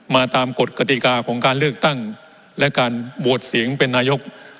ตามกฎกติกาของการเลือกตั้งและการโหวตเสียงเป็นนายก